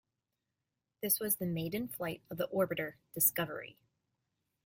This was the maiden flight of the orbiter "Discovery".